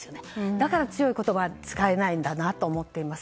だから強い言葉が使えないんだなと思っています。